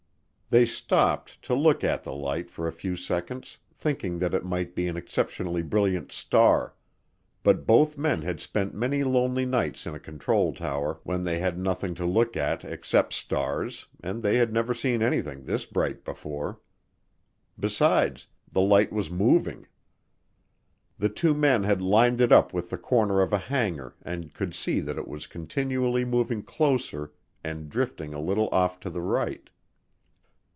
They stopped to look at the light for a few seconds thinking that it might be an exceptionally brilliant star, but both men had spent many lonely nights in a control tower when they had nothing to look at except stars and they had never seen anything this bright before. Besides, the light was moving. The two men had lined it up with the corner of a hangar and could see that it was continually moving closer and drifting a little off to the right.